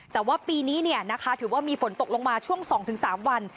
แต่ว่าปีนี้เนี้ยนะคะถือว่ามีฝนตกลงมาช่วงสองถึงสามวัน